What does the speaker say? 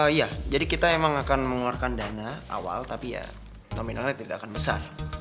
iya jadi kita emang akan mengeluarkan dana awal tapi ya nominalnya tidak akan besar